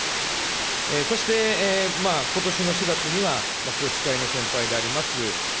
そして、ことしの４月には、宏池会の先輩であります